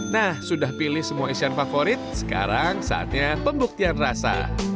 nah sudah pilih semua isian favorit sekarang saatnya pembuktian rasa